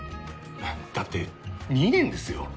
だって２年ですよ。